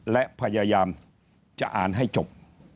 และพยายามจะอ่านให้จบ